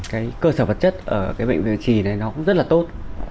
cái cơ sở vật chất ở cái bệnh viện trì này nó cũng rất là tốt